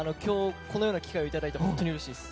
このような機会をいただいて本当にうれしいです。